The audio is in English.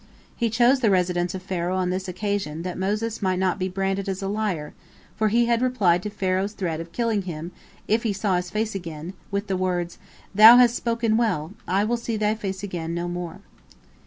He chose the residence of Pharaoh on this occasion that Moses might not be branded as a liar, for he had replied to Pharaoh's threat of killing him if he saw his face again, with the words, "Thou hast spoken well; I will see thy face again no more."